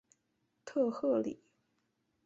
特赫里。